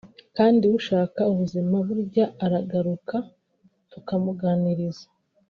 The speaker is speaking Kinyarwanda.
kandi ushaka ubuzima burya aragaruka tukamuganiriza